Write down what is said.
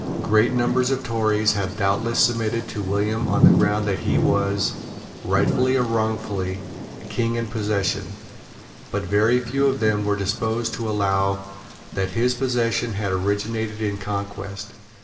Great numbers of Tories had doubtless submitted to William on the ground that he was, rightfully or wrongfully, King in possession; but very few of them were disposed to allow that his possession had originated in conquest.